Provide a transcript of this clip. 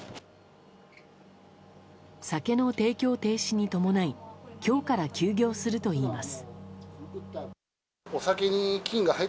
酒の提供停止に伴い今日から休業するといいます。